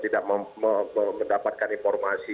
tidak mendapatkan informasi